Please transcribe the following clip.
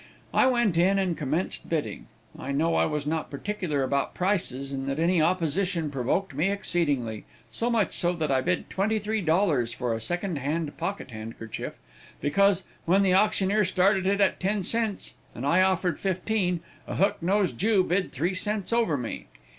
I went in, and commenced bidding. I know I was not particular about prices, and that any opposition provoked me exceedingly so much so that I bid twenty three dollars for a second hand pocket handkerchief, because, when the auctioneer started it at ten cents, and I offered fifteen, a hook nosed Jew bid three cents over me.